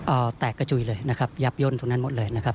แตกกระจุยเลยนะครับยับย่นตรงนั้นหมดเลยนะครับ